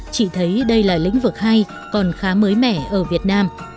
chị thấy đây là lĩnh vực hay còn khá mới mẻ ở việt nam